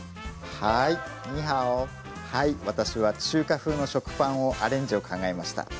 はい私は中華風の食パンをアレンジを考えました。